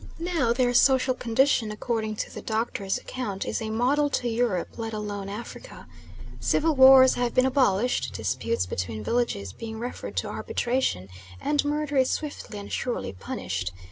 Now their social condition, according to the Doctor's account, is a model to Europe, let alone Africa. Civil wars have been abolished, disputes between villages being referred to arbitration, and murder is swiftly and surely punished.